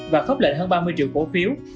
và khớp lệnh hơn ba mươi triệu cổ phiếu